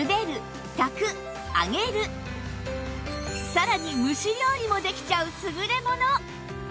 さらに蒸し料理もできちゃう優れもの